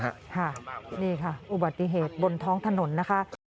ค่ะนี่ค่ะอุบัติเหตุบนท้องถนนนะคะ